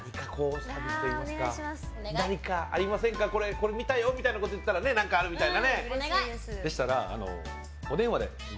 これ見たよみたいなこと言ったらなんかあるみたいな。